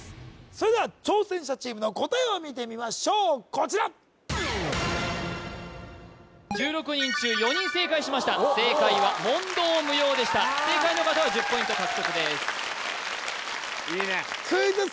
それでは挑戦者チームの答えを見てみましょうこちら１６人中４人正解しました正解は「問答無用」でした正解の方は１０ポイント獲得です